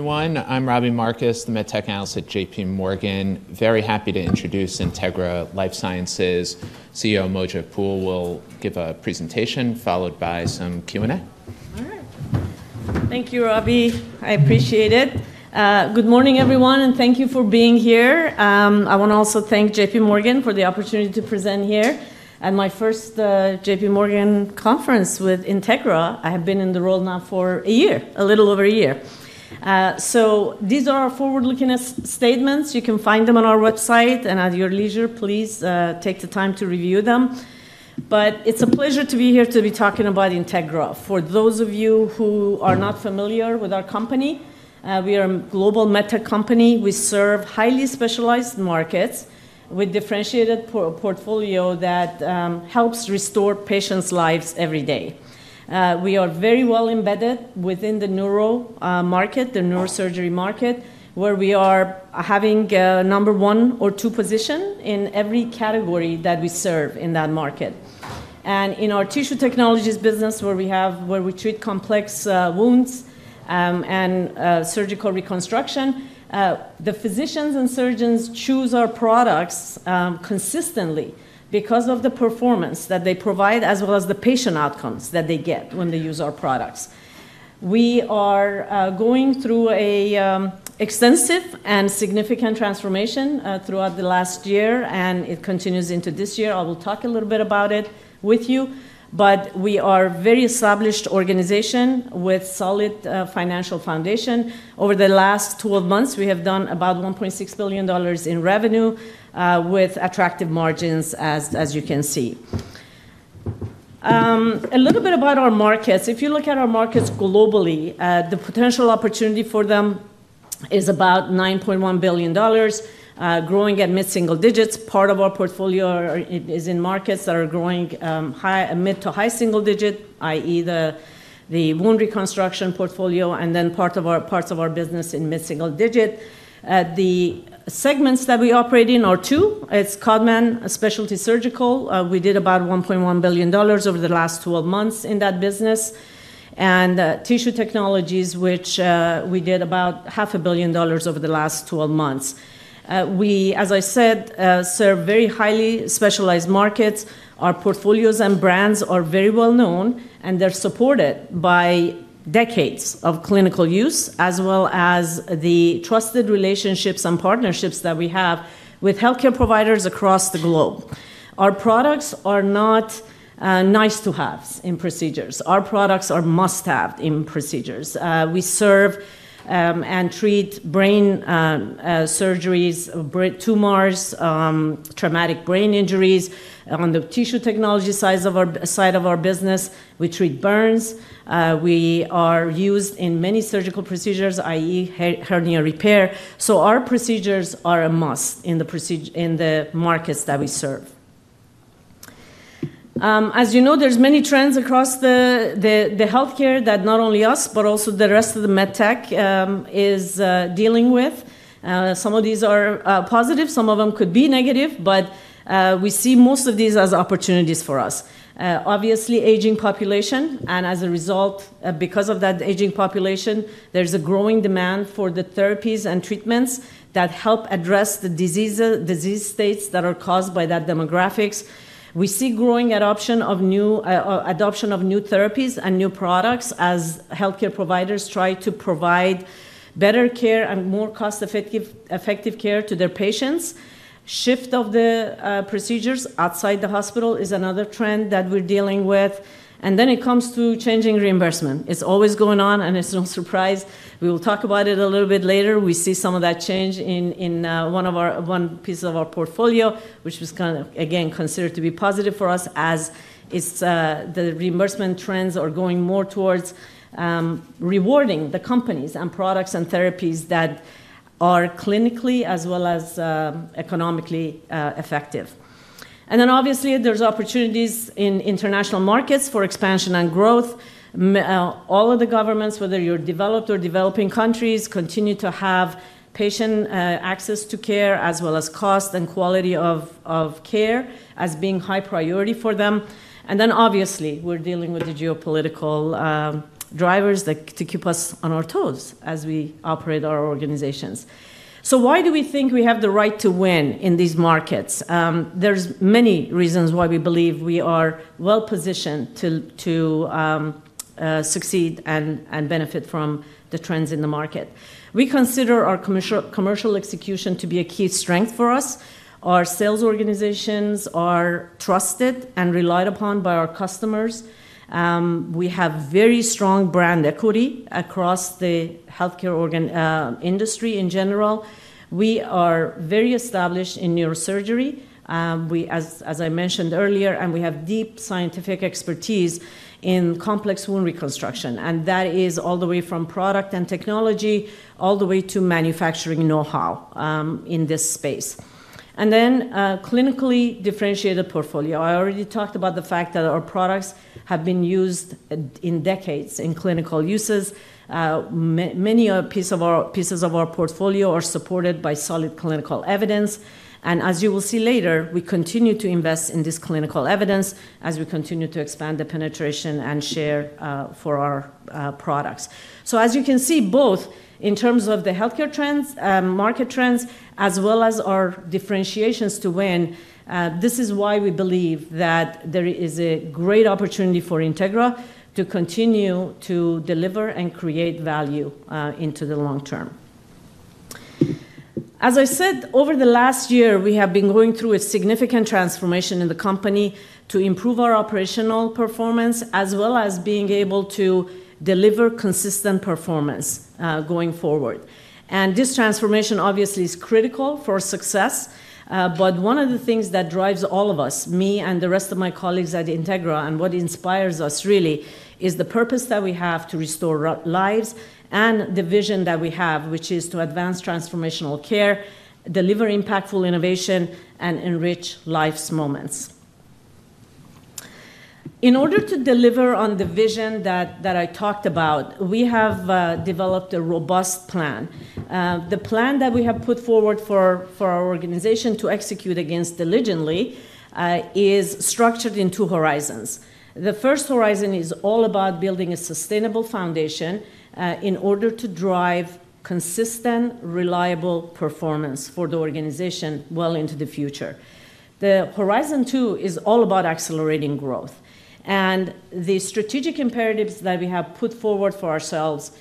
Everyone, I'm Robbie Marcus, the MedTech Analyst at JPMorgan. Very happy to introduce Integra LifeSciences CEO Mojdeh Poul. We'll give a presentation followed by some Q&A. All right. Thank you, Robbie. I appreciate it. Good morning, everyone, and thank you for being here. I want to also thank JPMorgan for the opportunity to present here at my first JPMorgan conference with Integra. I have been in the role now for a year, a little over a year. So these are our forward-looking statements. You can find them on our website, and at your leisure, please take the time to review them. But it's a pleasure to be here to be talking about Integra. For those of you who are not familiar with our company, we are a global MedTech company. We serve highly specialized markets with a differentiated portfolio that helps restore patients' lives every day. We are very well embedded within the neuro market, the neurosurgery market, where we are having a number one or two position in every category that we serve in that market. And in our Tissue Technologies business, where we treat complex wounds and surgical reconstruction, the physicians and surgeons choose our products consistently because of the performance that they provide, as well as the patient outcomes that they get when they use our products. We are going through an extensive and significant transformation throughout the last year, and it continues into this year. I will talk a little bit about it with you. But we are a very established organization with a solid financial foundation. Over the last 12 months, we have done about $1.6 billion in revenue with attractive margins, as you can see. A little bit about our markets. If you look at our markets globally, the potential opportunity for them is about $9.1 billion, growing at mid-single digits. Part of our portfolio is in markets that are growing mid to high single digit, i.e., the wound reconstruction portfolio, and then parts of our business in mid-single digit. The segments that we operate in are two. It's Codman Specialty Surgical. We did about $1.1 billion over the last 12 months in that business, and Tissue Technologies, which we did about $500 million over the last 12 months. We, as I said, serve very highly specialized markets. Our portfolios and brands are very well known, and they're supported by decades of clinical use, as well as the trusted relationships and partnerships that we have with health care providers across the globe. Our products are not nice-to-haves in procedures. Our products are must-haves in procedures. We serve and treat brain surgeries, tumors, traumatic brain injuries. On the Tissue Technologies side of our business, we treat burns. We are used in many surgical procedures, i.e., hernia repair. So our procedures are a must in the markets that we serve. As you know, there's many trends across the health care that not only us, but also the rest of the MedTech is dealing with. Some of these are positive. Some of them could be negative. But we see most of these as opportunities for us. Obviously, aging population. And as a result, because of that aging population, there's a growing demand for the therapies and treatments that help address the disease states that are caused by that demographics. We see growing adoption of new therapies and new products as health care providers try to provide better care and more cost-effective care to their patients. Shift of the procedures outside the hospital is another trend that we're dealing with. And then it comes to changing reimbursement. It's always going on, and it's no surprise. We will talk about it a little bit later. We see some of that change in one piece of our portfolio, which was kind of, again, considered to be positive for us, as the reimbursement trends are going more towards rewarding the companies and products and therapies that are clinically as well as economically effective. And then, obviously, there's opportunities in international markets for expansion and growth. All of the governments, whether you're developed or developing countries, continue to have patient access to care, as well as cost and quality of care as being high priority for them. And then, obviously, we're dealing with the geopolitical drivers to keep us on our toes as we operate our organizations. So why do we think we have the right to win in these markets? There are many reasons why we believe we are well positioned to succeed and benefit from the trends in the market. We consider our commercial execution to be a key strength for us. Our sales organizations are trusted and relied upon by our customers. We have very strong brand equity across the health care industry in general. We are very established in neurosurgery, as I mentioned earlier, and we have deep scientific expertise in complex wound reconstruction. And that is all the way from product and technology all the way to manufacturing know-how in this space. And then clinically differentiated portfolio. I already talked about the fact that our products have been used in decades in clinical uses. Many pieces of our portfolio are supported by solid clinical evidence. As you will see later, we continue to invest in this clinical evidence as we continue to expand the penetration and share for our products. As you can see, both in terms of the health care trends, market trends, as well as our differentiations to win, this is why we believe that there is a great opportunity for Integra to continue to deliver and create value into the long term. As I said, over the last year, we have been going through a significant transformation in the company to improve our operational performance, as well as being able to deliver consistent performance going forward. This transformation, obviously, is critical for success. But one of the things that drives all of us, me and the rest of my colleagues at Integra, and what inspires us, really, is the purpose that we have to restore lives and the vision that we have, which is to advance transformational care, deliver impactful innovation, and enrich life's moments. In order to deliver on the vision that I talked about, we have developed a robust plan. The plan that we have put forward for our organization to execute against diligently is structured in two horizons. The first horizon is all about building a sustainable foundation in order to drive consistent, reliable performance for the organization well into the future. The horizon two is all about accelerating growth. And the strategic imperatives that we have put forward for ourselves,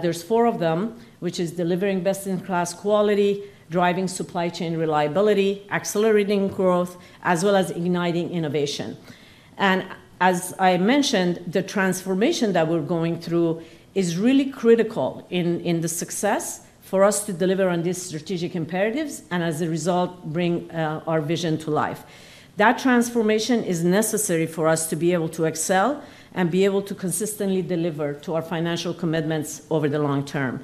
there's four of them, which are delivering best-in-class quality, driving supply chain reliability, accelerating growth, as well as igniting innovation. And as I mentioned, the transformation that we're going through is really critical in the success for us to deliver on these strategic imperatives and, as a result, bring our vision to life. That transformation is necessary for us to be able to excel and be able to consistently deliver to our financial commitments over the long term.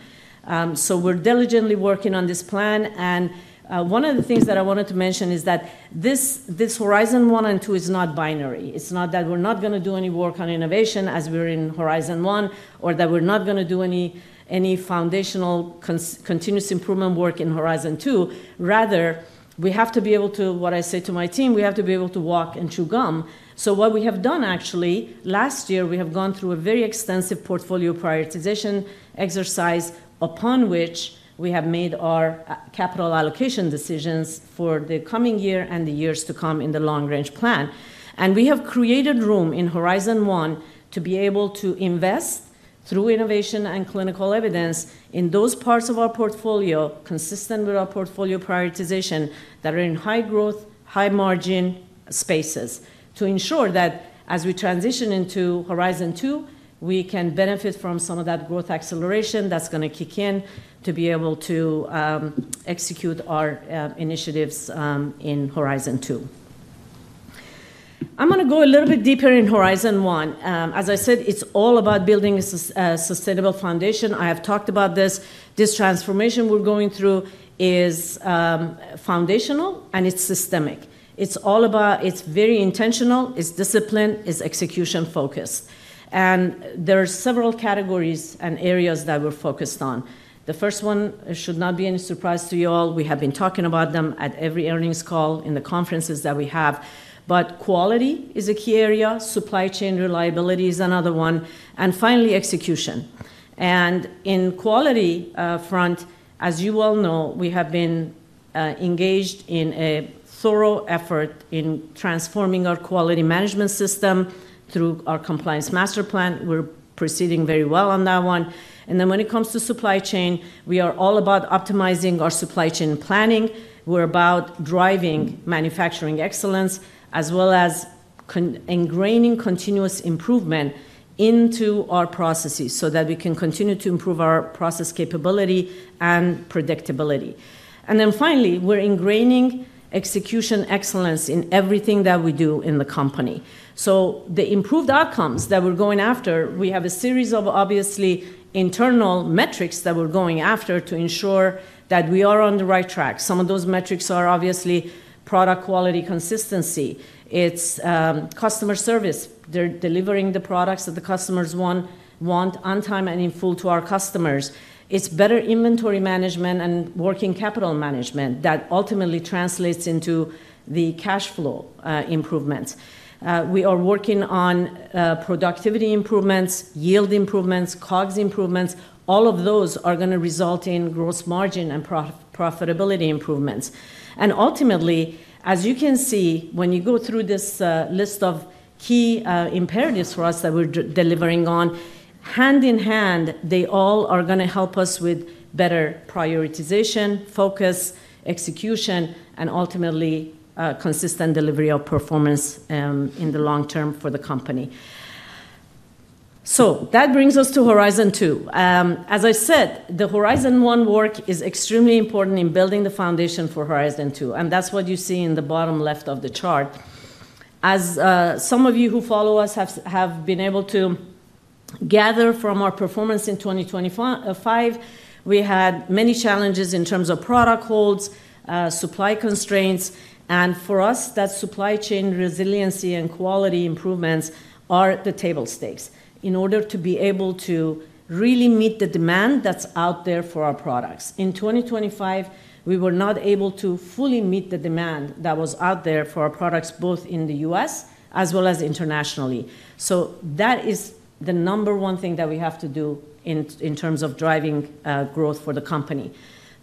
So we're diligently working on this plan. And one of the things that I wanted to mention is that this horizon one and two is not binary. It's not that we're not going to do any work on innovation as we're in horizon one or that we're not going to do any foundational continuous improvement work in horizon two. Rather, we have to be able to, what I say to my team, we have to be able to walk and chew gum. So what we have done, actually, last year, we have gone through a very extensive portfolio prioritization exercise, upon which we have made our capital allocation decisions for the coming year and the years to come in the long-range plan and we have created room in horizon one to be able to invest through innovation and clinical evidence in those parts of our portfolio, consistent with our portfolio prioritization, that are in high growth, high margin spaces, to ensure that as we transition into horizon two, we can benefit from some of that growth acceleration that's going to kick in to be able to execute our initiatives in horizon two. I'm going to go a little bit deeper in horizon one. As I said, it's all about building a sustainable foundation. I have talked about this. This transformation we're going through is foundational, and it's systemic. It's very intentional. It's disciplined. It's execution-focused, and there are several categories and areas that we're focused on. The first one should not be any surprise to you all. We have been talking about them at every earnings call, in the conferences that we have, but quality is a key area. Supply chain reliability is another one, and finally, execution. In the quality front, as you well know, we have been engaged in a thorough effort in transforming our quality management system through our Compliance Master Plan. We're proceeding very well on that one, and then when it comes to supply chain, we are all about optimizing our supply chain planning. We're about driving manufacturing excellence, as well as ingraining continuous improvement into our processes so that we can continue to improve our process capability and predictability, and then finally, we're ingraining execution excellence in everything that we do in the company, so the improved outcomes that we're going after, we have a series of, obviously, internal metrics that we're going after to ensure that we are on the right track. Some of those metrics are, obviously, product quality consistency. It's customer service. They're delivering the products that the customers want on time and in full to our customers. It's better inventory management and working capital management that ultimately translates into the cash flow improvements. We are working on productivity improvements, yield improvements, COGS improvements. All of those are going to result in gross margin and profitability improvements. Ultimately, as you can see, when you go through this list of key imperatives for us that we're delivering on, hand in hand, they all are going to help us with better prioritization, focus, execution, and ultimately consistent delivery of performance in the long term for the company. That brings us to horizon two. As I said, the horizon one work is extremely important in building the foundation for horizon two. That's what you see in the bottom left of the chart. Some of you who follow us have been able to gather from our performance in 2025. We had many challenges in terms of product holds, supply constraints. For us, that supply chain resiliency and quality improvements are the table stakes in order to be able to really meet the demand that's out there for our products. In 2025, we were not able to fully meet the demand that was out there for our products, both in the U.S. as well as internationally. So that is the number one thing that we have to do in terms of driving growth for the company.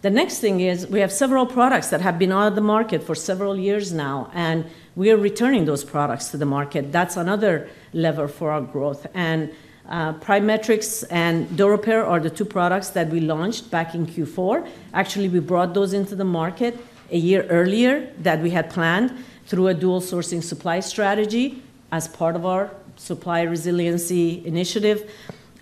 The next thing is we have several products that have been out of the market for several years now, and we are returning those products to the market. That's another lever for our growth. And PriMatrix and DuraSorb are the two products that we launched back in Q4. Actually, we brought those into the market a year earlier that we had planned through a dual sourcing supply strategy as part of our supply resiliency initiative.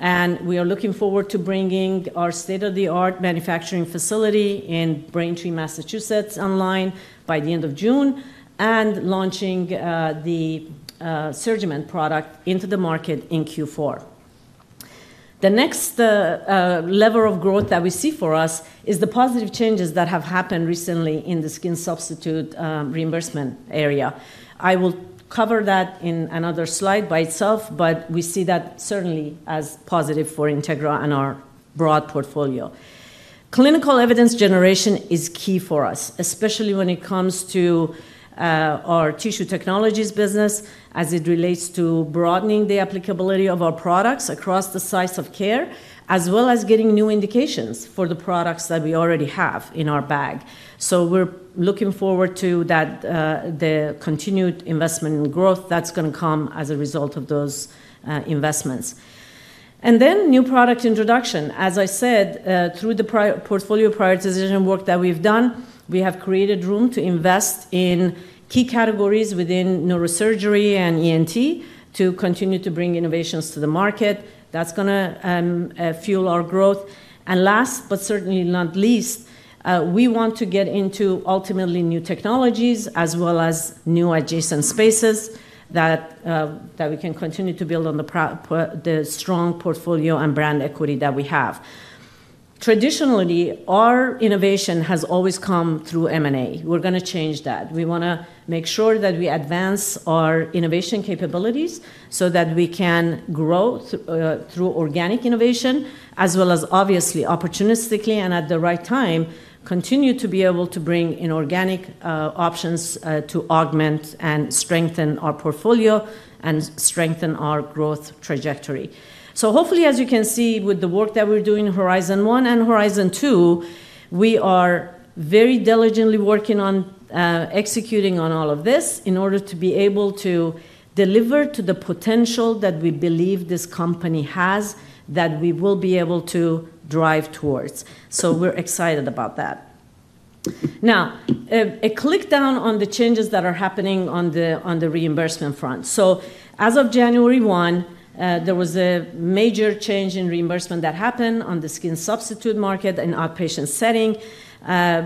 We are looking forward to bringing our state-of-the-art manufacturing facility in Braintree, Massachusetts, online by the end of June and launching the SurgiMend product into the market in Q4. The next lever of growth that we see for us is the positive changes that have happened recently in the skin substitute reimbursement area. I will cover that in another slide by itself, but we see that certainly as positive for Integra and our broad portfolio. Clinical evidence generation is key for us, especially when it comes to our Tissue Technologies business, as it relates to broadening the applicability of our products across the sites of care, as well as getting new indications for the products that we already have in our bag. So we're looking forward to the continued investment and growth that's going to come as a result of those investments and then new product introduction. As I said, through the portfolio prioritization work that we've done, we have created room to invest in key categories within neurosurgery and ENT to continue to bring innovations to the market. That's going to fuel our growth. And last, but certainly not least, we want to get into ultimately new technologies as well as new adjacent spaces that we can continue to build on the strong portfolio and brand equity that we have. Traditionally, our innovation has always come through M&A. We're going to change that. We want to make sure that we advance our innovation capabilities so that we can grow through organic innovation, as well as, obviously, opportunistically and at the right time, continue to be able to bring in organic options to augment and strengthen our portfolio and strengthen our growth trajectory. So hopefully, as you can see with the work that we're doing in horizon one and horizon two, we are very diligently working on executing on all of this in order to be able to deliver to the potential that we believe this company has that we will be able to drive towards. So we're excited about that. Now, a quick rundown on the changes that are happening on the reimbursement front. So as of January 1, there was a major change in reimbursement that happened on the skin substitute market in an outpatient setting,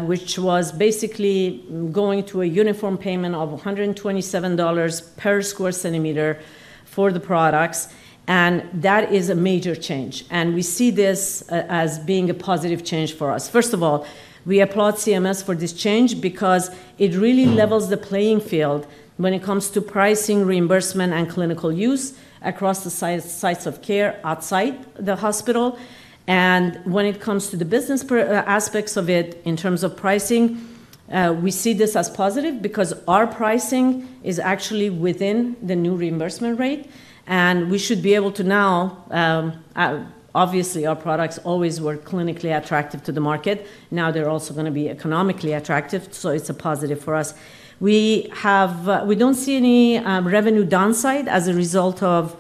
which was basically going to a uniform payment of $127 per sq cm for the products. And that is a major change. And we see this as being a positive change for us. First of all, we applaud CMS for this change because it really levels the playing field when it comes to pricing, reimbursement, and clinical use across the sites of care outside the hospital, and when it comes to the business aspects of it in terms of pricing, we see this as positive because our pricing is actually within the new reimbursement rate, and we should be able to now, obviously, our products always were clinically attractive to the market. Now they're also going to be economically attractive, so it's a positive for us. We don't see any revenue downside as a result of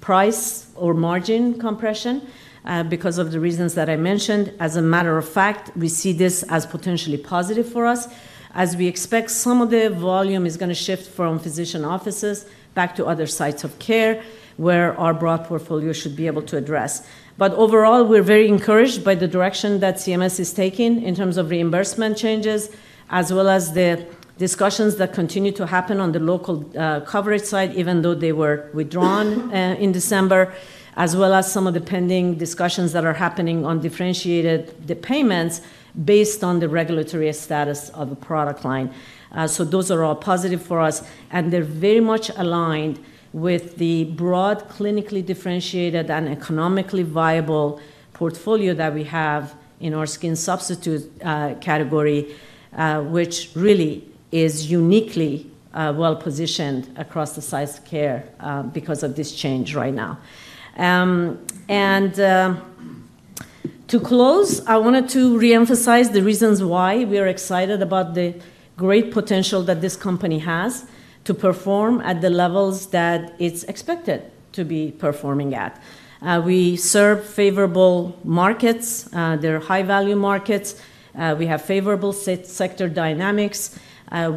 price or margin compression because of the reasons that I mentioned. As a matter of fact, we see this as potentially positive for us, as we expect some of the volume is going to shift from physician offices back to other sites of care where our broad portfolio should be able to address. But overall, we're very encouraged by the direction that CMS is taking in terms of reimbursement changes, as well as the discussions that continue to happen on the local coverage side, even though they were withdrawn in December, as well as some of the pending discussions that are happening on differentiated payments based on the regulatory status of the product line. So those are all positive for us. And they're very much aligned with the broad clinically differentiated and economically viable portfolio that we have in our skin substitute category, which really is uniquely well-positioned across the sites of care because of this change right now. And to close, I wanted to reemphasize the reasons why we are excited about the great potential that this company has to perform at the levels that it's expected to be performing at. We serve favorable markets. They're high-value markets. We have favorable sector dynamics. We're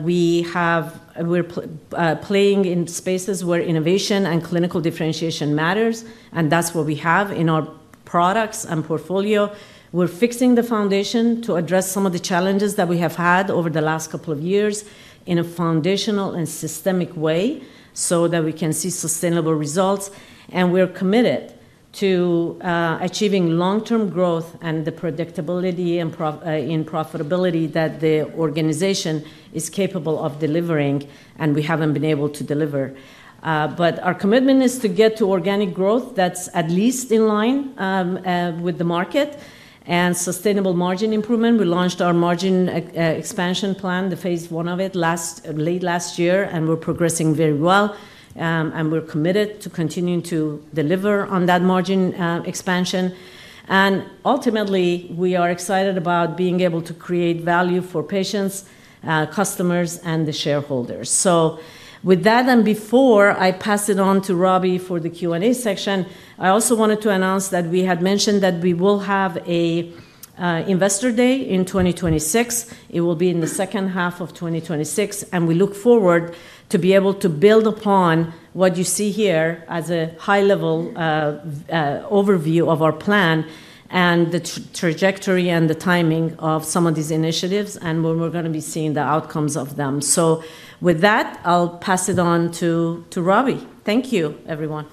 playing in spaces where innovation and clinical differentiation matters. And that's what we have in our products and portfolio. We're fixing the foundation to address some of the challenges that we have had over the last couple of years in a foundational and systemic way so that we can see sustainable results. And we're committed to achieving long-term growth and the predictability and profitability that the organization is capable of delivering, and we haven't been able to deliver. But our commitment is to get to organic growth that's at least in line with the market and sustainable margin improvement. We launched our margin expansion plan, the phase one of it, late last year, and we're progressing very well, and we're committed to continuing to deliver on that margin expansion, and ultimately, we are excited about being able to create value for patients, customers, and the shareholders, so with that, and before I pass it on to Robbie for the Q&A section, I also wanted to announce that we had mentioned that we will have an investor day in 2026. It will be in the second half of 2026, and we look forward to being able to build upon what you see here as a high-level overview of our plan and the trajectory and the timing of some of these initiatives and where we're going to be seeing the outcomes of them, so with that, I'll pass it on to Robbie. Thank you, everyone.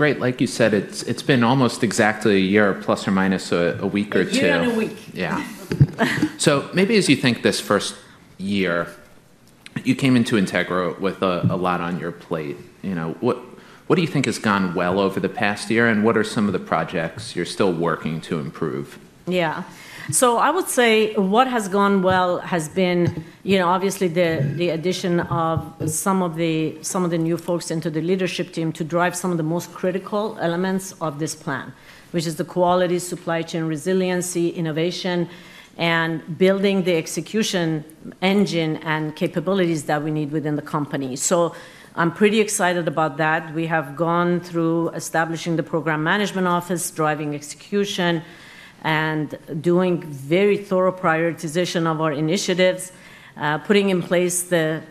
Great. Like you said, it's been almost exactly a year, plus or minus a week or two. A year and a week. Yeah, so maybe as you think this first year, you came into Integra with a lot on your plate. What do you think has gone well over the past year, and what are some of the projects you're still working to improve? Yeah, so I would say what has gone well has been, obviously, the addition of some of the new folks into the leadership team to drive some of the most critical elements of this plan, which is the quality, supply chain resiliency, innovation, and building the execution engine and capabilities that we need within the company, so I'm pretty excited about that. We have gone through establishing the program management office, driving execution, and doing very thorough prioritization of our initiatives, putting in place the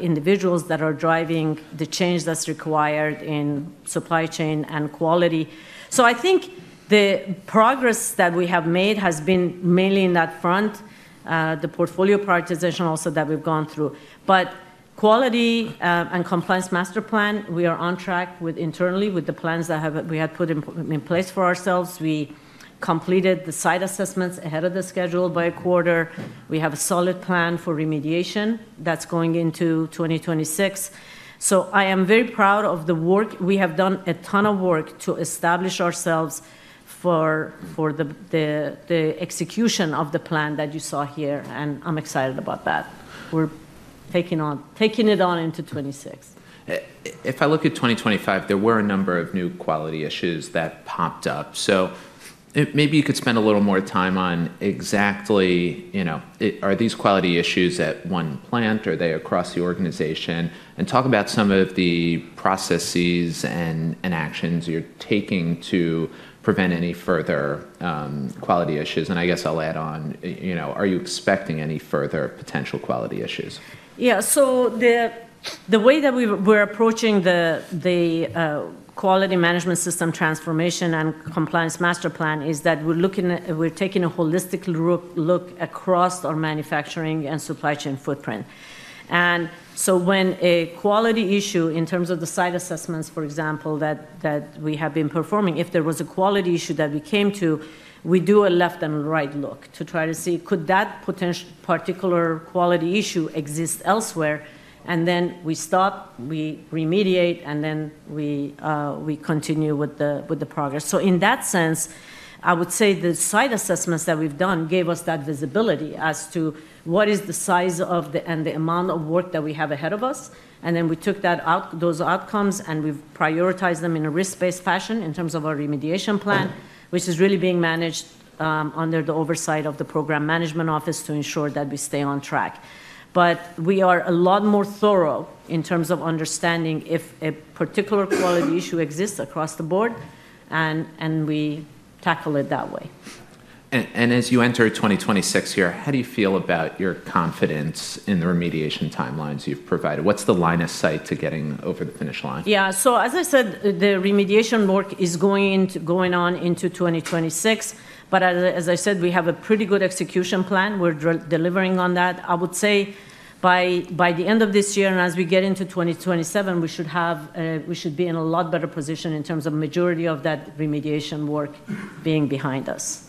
individuals that are driving the change that's required in supply chain and quality. So I think the progress that we have made has been mainly in that front, the portfolio prioritization also that we've gone through, but Quality and Compliance Master Plan, we are on track internally with the plans that we had put in place for ourselves. We completed the site assessments ahead of the schedule by a quarter. We have a solid plan for remediation that's going into 2026. So I am very proud of the work. We have done a ton of work to establish ourselves for the execution of the plan that you saw here. And I'm excited about that. We're taking it on into 2026. If I look at 2025, there were a number of new quality issues that popped up, so maybe you could spend a little more time on exactly, are these quality issues at one plant or are they across the organization? And talk about some of the processes and actions you're taking to prevent any further quality issues, and I guess I'll add on, are you expecting any further potential quality issues? Yeah. So the way that we're approaching the quality management system transformation and compliance master plan is that we're taking a holistic look across our manufacturing and supply chain footprint. And so when a quality issue in terms of the site assessments, for example, that we have been performing, if there was a quality issue that we came to, we do a left and right look to try to see could that particular quality issue exist elsewhere. And then we stop, we remediate, and then we continue with the progress. So in that sense, I would say the site assessments that we've done gave us that visibility as to what is the size and the amount of work that we have ahead of us. We took those outcomes and we've prioritized them in a risk-based fashion in terms of our remediation plan, which is really being managed under the oversight of the program management office to ensure that we stay on track. We are a lot more thorough in terms of understanding if a particular quality issue exists across the board, and we tackle it that way. As you enter 2026 here, how do you feel about your confidence in the remediation timelines you've provided? What's the line of sight to getting over the finish line? Yeah, so as I said, the remediation work is going on into 2026, but as I said, we have a pretty good execution plan. We're delivering on that. I would say by the end of this year and as we get into 2027, we should be in a lot better position in terms of the majority of that remediation work being behind us.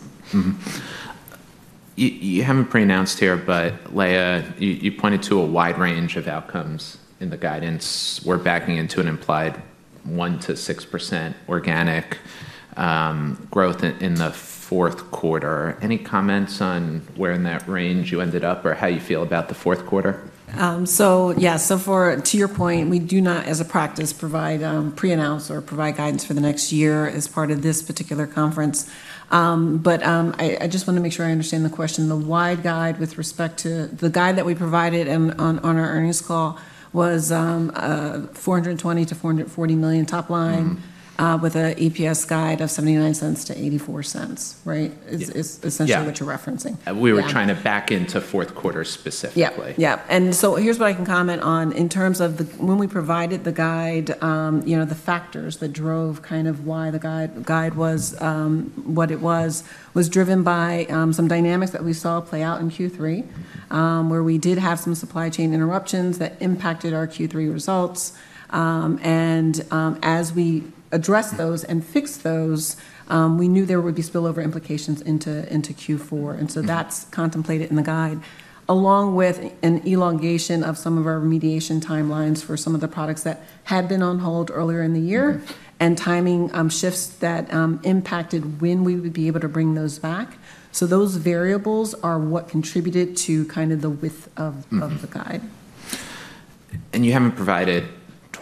You have an audience here, but Lea, you pointed to a wide range of outcomes in the guidance. We're backing into an implied 1%-6% organic growth in the fourth quarter. Any comments on where in that range you ended up or how you feel about the fourth quarter? So yeah, so to your point, we do not, as a practice, provide pre-announce or provide guidance for the next year as part of this particular conference. But I just want to make sure I understand the question. The guidance with respect to the guide that we provided on our earnings call was $420 million-$440 million top line with an EPS guide of $0.79-$0.84, right? That's essentially what you're referencing. We were trying to back into fourth quarter specifically. Yeah. Yeah. And so here's what I can comment on. In terms of when we provided the guide, the factors that drove kind of why the guide was what it was was driven by some dynamics that we saw play out in Q3, where we did have some supply chain interruptions that impacted our Q3 results. And as we addressed those and fixed those, we knew there would be spillover implications into Q4. And so that's contemplated in the guide, along with an elongation of some of our remediation timelines for some of the products that had been on hold earlier in the year and timing shifts that impacted when we would be able to bring those back. So those variables are what contributed to kind of the width of the guide. And you haven't provided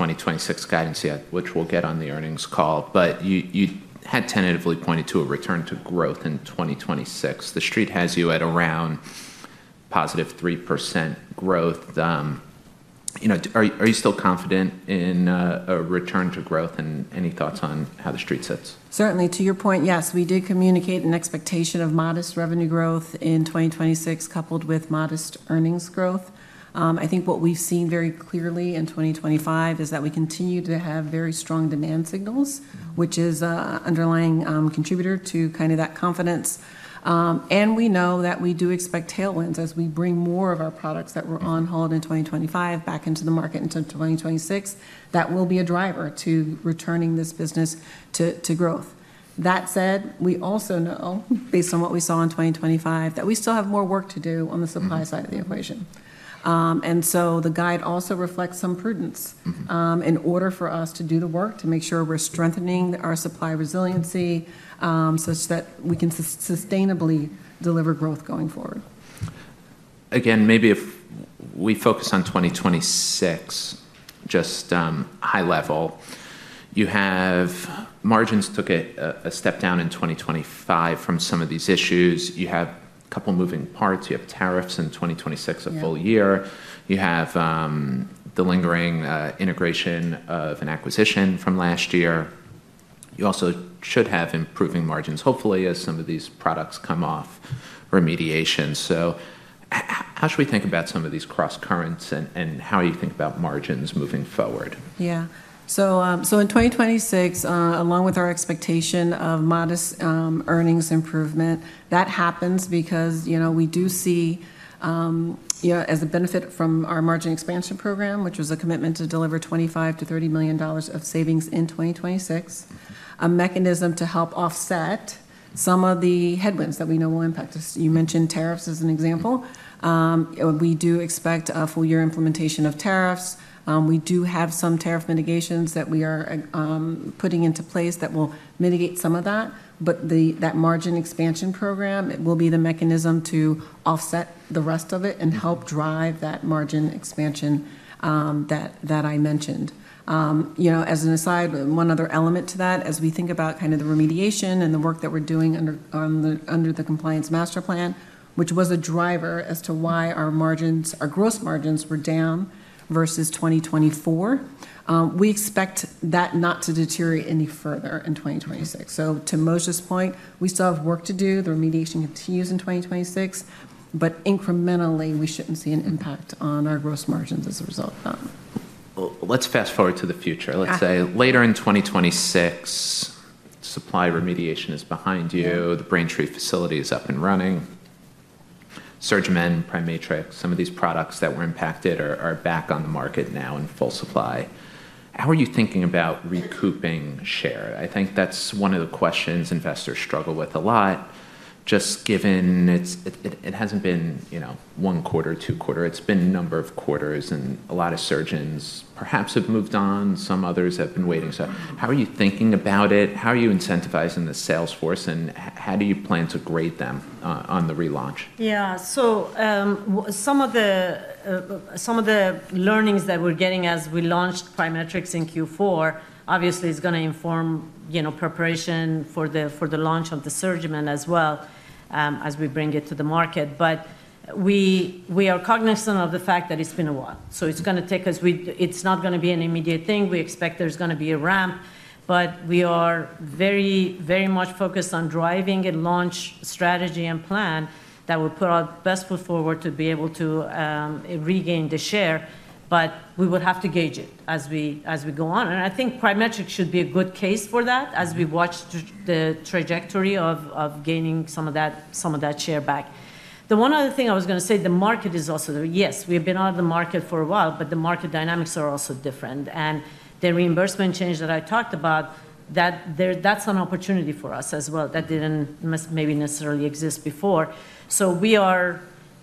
2026 guidance yet, which we'll get on the earnings call. But you had tentatively pointed to a return to growth in 2026. The street has you at around +3% growth. Are you still confident in a return to growth and any thoughts on how the street sits? Certainly. To your point, yes, we did communicate an expectation of modest revenue growth in 2026 coupled with modest earnings growth. I think what we've seen very clearly in 2025 is that we continue to have very strong demand signals, which is an underlying contributor to kind of that confidence. And we know that we do expect tailwinds as we bring more of our products that were on hold in 2025 back into the market into 2026. That will be a driver to returning this business to growth. That said, we also know, based on what we saw in 2025, that we still have more work to do on the supply side of the equation. And so the guide also reflects some prudence in order for us to do the work to make sure we're strengthening our supply resiliency such that we can sustainably deliver growth going forward. Again, maybe if we focus on 2026, just high level, you have margins took a step down in 2025 from some of these issues. You have a couple of moving parts. You have tariffs in 2026 a full year. You have the lingering integration of an acquisition from last year. You also should have improving margins, hopefully, as some of these products come off remediation. So how should we think about some of these cross currents and how you think about margins moving forward? Yeah. So in 2026, along with our expectation of modest earnings improvement, that happens because we do see, as a benefit from our margin expansion program, which was a commitment to deliver $25 million-$30 million of savings in 2026, a mechanism to help offset some of the headwinds that we know will impact us. You mentioned tariffs as an example. We do expect a full year implementation of tariffs. We do have some tariff mitigations that we are putting into place that will mitigate some of that. But that margin expansion program, it will be the mechanism to offset the rest of it and help drive that margin expansion that I mentioned. As an aside, one other element to that, as we think about kind of the remediation and the work that we're doing under the Compliance Master Plan, which was a driver as to why our gross margins were down versus 2024, we expect that not to deteriorate any further in 2026. So to Mojdeh's point, we still have work to do. The remediation continues in 2026, but incrementally, we shouldn't see an impact on our gross margins as a result of that. Let's fast forward to the future. Let's say later in 2026, supply remediation is behind you. The Braintree facility is up and running. SurgiMend, PriMatrix, some of these products that were impacted are back on the market now in full supply. How are you thinking about recouping share? I think that's one of the questions investors struggle with a lot, just given it hasn't been one quarter, two quarters. It's been a number of quarters, and a lot of surgeons perhaps have moved on. Some others have been waiting. So how are you thinking about it? How are you incentivizing the salesforce, and how do you plan to grade them on the relaunch? Yeah. So some of the learnings that we're getting as we launched PriMatrix in Q4, obviously, is going to inform preparation for the launch of the SurgiMend as well as we bring it to the market. But we are cognizant of the fact that it's been a while. So it's going to take us it's not going to be an immediate thing. We expect there's going to be a ramp, but we are very, very much focused on driving a launch strategy and plan that will put our best foot forward to be able to regain the share. But we would have to gauge it as we go on. And I think PriMatrix should be a good case for that as we watch the trajectory of gaining some of that share back. The one other thing I was going to say, the market is also there. Yes, we have been out of the market for a while, but the market dynamics are also different, and the reimbursement change that I talked about, that's an opportunity for us as well that didn't maybe necessarily exist before, so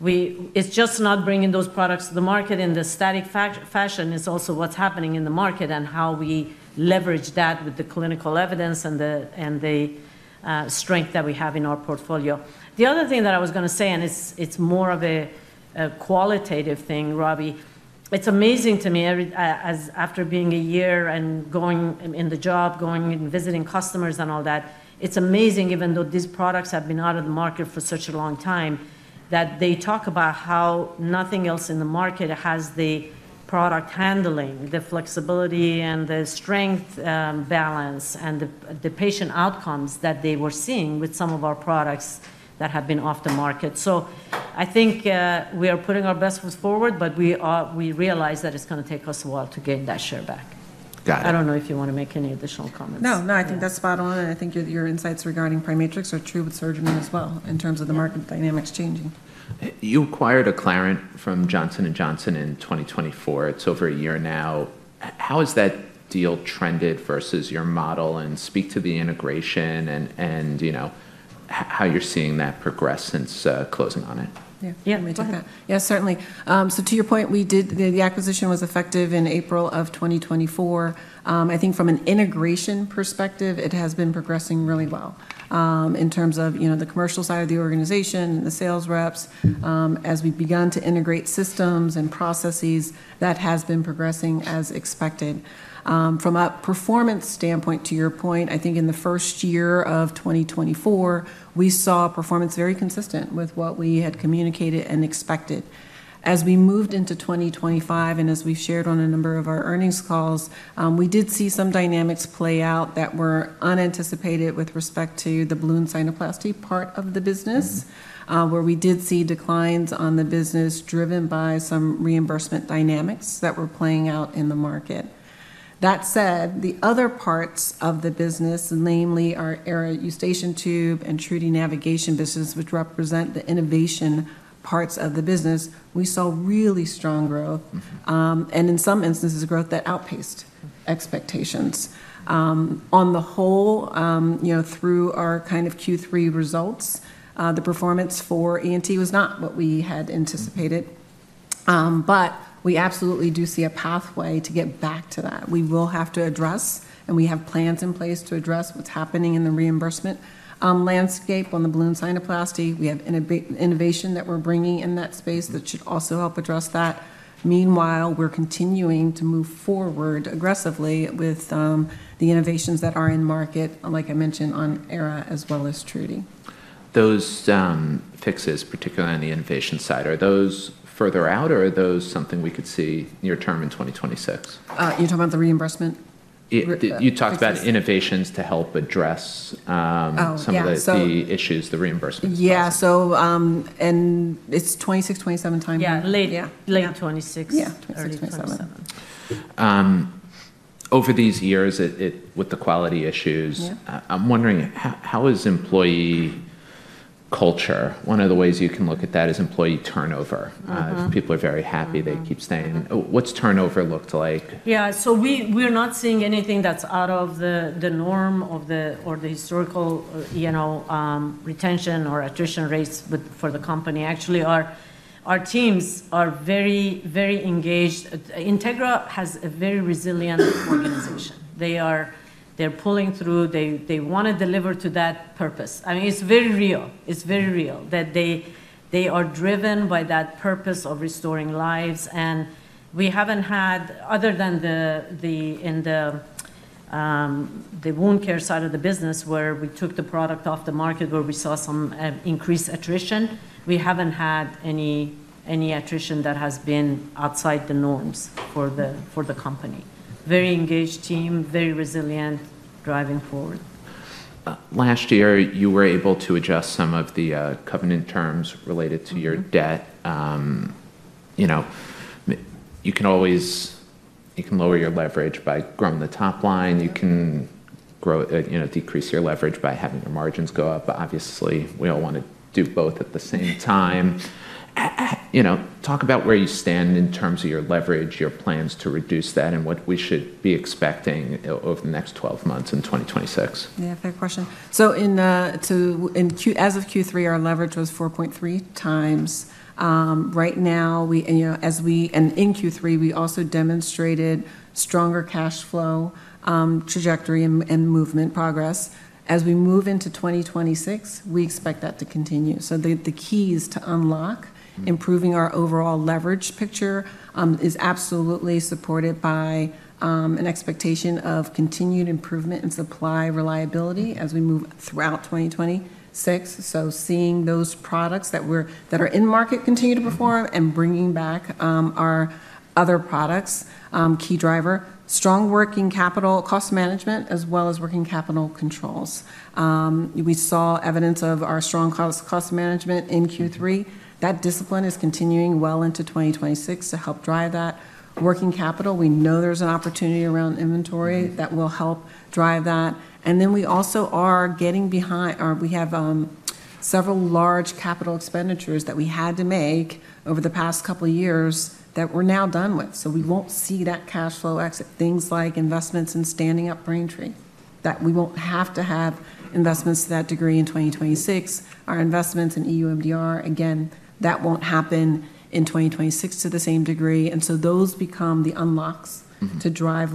it's just not bringing those products to the market in the static fashion is also what's happening in the market and how we leverage that with the clinical evidence and the strength that we have in our portfolio. The other thing that I was going to say, and it's more of a qualitative thing, Robbie. It's amazing to me after being a year in the job, going and visiting customers and all that. It's amazing even though these products have been out of the market for such a long time that they talk about how nothing else in the market has the product handling, the flexibility and the strength balance and the patient outcomes that they were seeing with some of our products that have been off the market. So I think we are putting our best foot forward, but we realize that it's going to take us a while to gain that share back. Got it. I don't know if you want to make any additional comments. No, no, I think that's spot on, and I think your insights regarding PriMatrix are true with SurgiMend as well in terms of the market dynamics changing. You acquired Acclarent from Johnson & Johnson in 2024. It's over a year now. How has that deal trended versus your model and speak to the integration and how you're seeing that progress since closing on it? Yeah, let me take that. Yeah, certainly. So to your point, the acquisition was effective in April of 2024. I think from an integration perspective, it has been progressing really well in terms of the commercial side of the organization and the sales reps. As we've begun to integrate systems and processes, that has been progressing as expected. From a performance standpoint, to your point, I think in the first year of 2024, we saw performance very consistent with what we had communicated and expected. As we moved into 2025 and as we've shared on a number of our earnings calls, we did see some dynamics play out that were unanticipated with respect to the balloon sinuplasty part of the business, where we did see declines on the business driven by some reimbursement dynamics that were playing out in the market. That said, the other parts of the business, namely our Aera Eustachian Tube and TruDi Navigation business, which represent the innovation parts of the business, we saw really strong growth and in some instances growth that outpaced expectations. On the whole, through our kind of Q3 results, the performance for ENT was not what we had anticipated. But we absolutely do see a pathway to get back to that. We will have to address, and we have plans in place to address what's happening in the reimbursement landscape on the balloon sinuplasty. We have innovation that we're bringing in that space that should also help address that. Meanwhile, we're continuing to move forward aggressively with the innovations that are in market, like I mentioned, on Aera as well as TruDi. Those fixes, particularly on the innovation side, are those further out or are those something we could see near term in 2026? You're talking about the reimbursement? You talked about innovations to help address some of the issues, the reimbursement. Yeah, and it's 2026, 2027 time. Yeah, late 2026. Yeah, early 2027. Over these years with the quality issues, I'm wondering how is employee culture? One of the ways you can look at that is employee turnover. People are very happy. They keep staying. What's turnover looked like? Yeah. So we're not seeing anything that's out of the norm or the historical retention or attrition rates for the company. Actually, our teams are very, very engaged. Integra has a very resilient organization. They're pulling through. They want to deliver to that purpose. I mean, it's very real. It's very real that they are driven by that purpose of restoring lives. And we haven't had, other than in the wound care side of the business, where we took the product off the market, where we saw some increased attrition, we haven't had any attrition that has been outside the norms for the company. Very engaged team, very resilient, driving forward. Last year, you were able to adjust some of the covenant terms related to your debt. You can lower your leverage by growing the top line. You can decrease your leverage by having your margins go up. Obviously, we all want to do both at the same time. Talk about where you stand in terms of your leverage, your plans to reduce that, and what we should be expecting over the next 12 months in 2026. Yeah, fair question. So as of Q3, our leverage was 4.3x. Right now, and in Q3, we also demonstrated stronger cash flow trajectory and momentum progress. As we move into 2026, we expect that to continue. So the keys to unlock improving our overall leverage picture is absolutely supported by an expectation of continued improvement in supply reliability as we move throughout 2026. So seeing those products that are in market continue to perform and bringing back our other products, key driver, strong working capital, cost management, as well as working capital controls. We saw evidence of our strong cost management in Q3. That discipline is continuing well into 2026 to help drive that. Working capital, we know there's an opportunity around inventory that will help drive that. And then we also are getting behind. We have several large capital expenditures that we had to make over the past couple of years that we're now done with. So we won't see that cash flow exit, things like investments in standing up Braintree. We won't have to have investments to that degree in 2026. Our investments in EU MDR, again, that won't happen in 2026 to the same degree. And so those become the unlocks to drive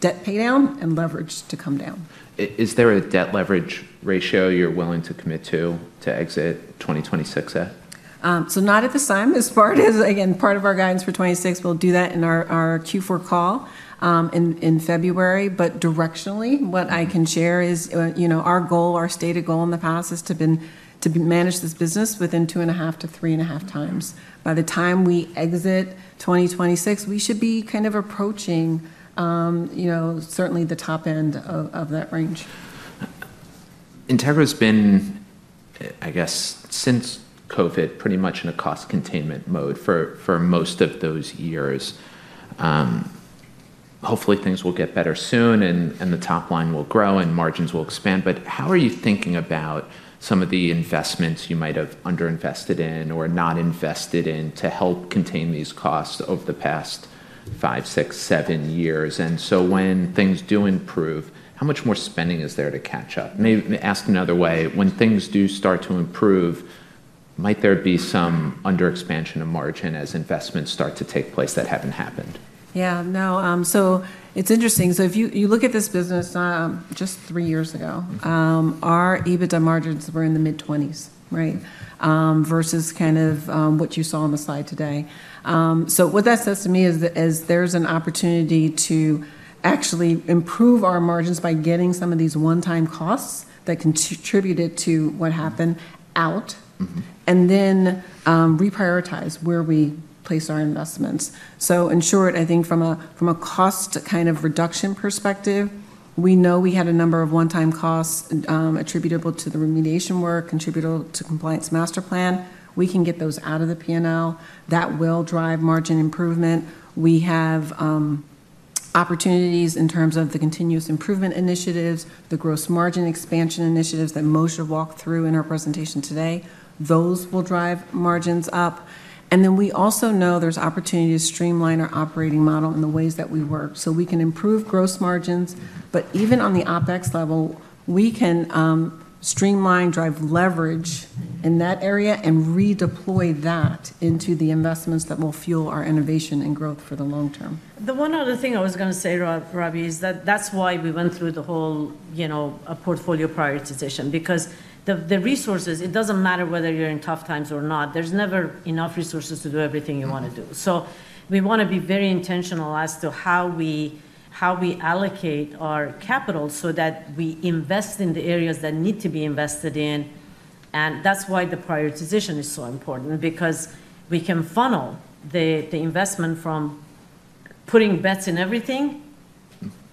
debt paydown and leverage to come down. Is there a debt leverage ratio you're willing to commit to exit 2026 at? So not at this time. Again, part of our guidance for 2026, we'll do that in our Q4 call in February. But directionally, what I can share is our goal, our stated goal in the past has been to manage this business within two and a half to three and a half times. By the time we exit 2026, we should be kind of approaching certainly the top end of that range. Integra has been, I guess, since COVID, pretty much in a cost containment mode for most of those years. Hopefully, things will get better soon and the top line will grow and margins will expand. But how are you thinking about some of the investments you might have underinvested in or not invested in to help contain these costs over the past five, six, seven years? And so when things do improve, how much more spending is there to catch up? Maybe ask another way. When things do start to improve, might there be some under-expansion of margin as investments start to take place that haven't happened? Yeah. No, so it's interesting. So if you look at this business just three years ago, our EBITDA margins were in the mid-20s, right, versus kind of what you saw on the slide today. So what that says to me is there's an opportunity to actually improve our margins by getting some of these one-time costs that contributed to what happened out and then reprioritize where we place our investments. So in short, I think from a cost kind of reduction perspective, we know we had a number of one-time costs attributable to the remediation work, attributable to Compliance Master Plan. We can get those out of the P&L. That will drive margin improvement. We have opportunities in terms of the continuous improvement initiatives, the gross margin expansion initiatives that Mojdeh walked through in our presentation today. Those will drive margins up. And then we also know there's opportunity to streamline our operating model in the ways that we work so we can improve gross margins. But even on the OpEx level, we can streamline, drive leverage in that area, and redeploy that into the investments that will fuel our innovation and growth for the long term. The one other thing I was going to say, Robbie, is that that's why we went through the whole portfolio prioritization, because the resources, it doesn't matter whether you're in tough times or not. There's never enough resources to do everything you want to do, so we want to be very intentional as to how we allocate our capital so that we invest in the areas that need to be invested in, and that's why the prioritization is so important, because we can funnel the investment from putting bets in everything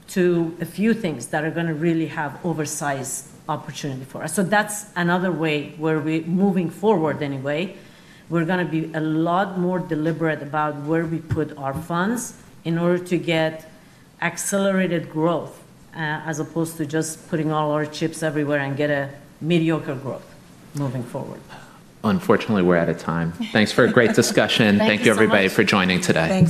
to a few things that are going to really have oversized opportunity for us, so that's another way where we're moving forward anyway, we're going to be a lot more deliberate about where we put our funds in order to get accelerated growth as opposed to just putting all our chips everywhere and get a mediocre growth moving forward. Unfortunately, we're out of time. Thanks for a great discussion. Thank you, everybody, for joining today.